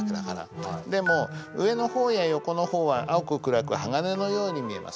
でも「上の方や横の方は青くくらく鋼のように見えます」